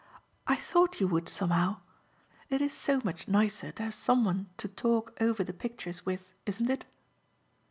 "I thought you would, somehow. It is so much nicer to have someone to talk over the pictures with, isn't it?"